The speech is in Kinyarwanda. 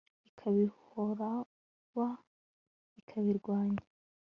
Ikabihoroba ikabihwanya